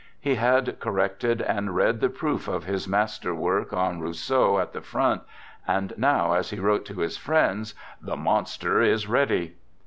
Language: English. He had corrected and read the proof of his master work on Rousseau at the front, and now, as he wrote to his friends, " The monster is ready!